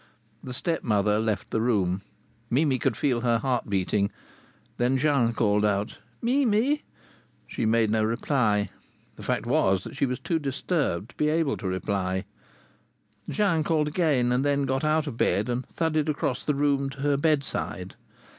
The stepmother left the room. Mimi could feel her heart beating. Then Jean called out: "Mimi." She made no reply. The fact was she was too disturbed to be able to reply. Jean called again and then got out of bed and thudded across the room to her bedside.